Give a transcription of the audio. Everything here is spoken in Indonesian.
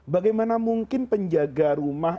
bagaimana mungkin penjaga rumah